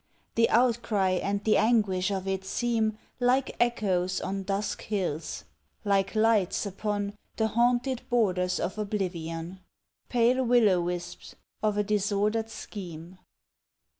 The outcry and the anguish of it seem Like echoes on dusk hills like lights upon The haunted borders of oblivion Pale will o' wisps of a disordered scheme.